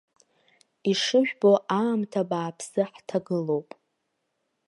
Ишыжәбо аамҭа бааԥсы ҳҭагылоуп.